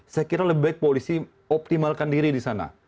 saya kira lebih baik polisi optimalkan diri di sana